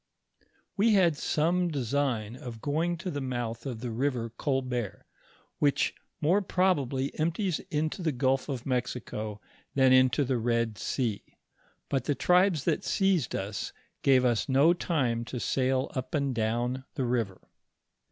We had some design of going to the month of the river Oolburt, which more probably empties into the gulf of Mexico than into the Bed sea ; but the tribes that seized us, gave us no time to sail up and down the river.